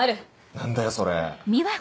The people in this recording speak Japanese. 何だよそれ。